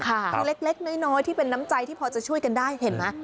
คือเล็กน้อยที่เป็นน้ำใจที่พอจะช่วยกันได้เห็นไหม